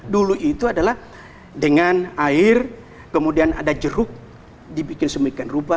dulu itu adalah dengan air kemudian ada jeruk dibikin semikian rupa